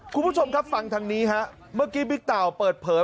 คุณผู้ชมครับฟังทางนี้ฮะเมื่อกี้บิ๊กเต่าเปิดเผย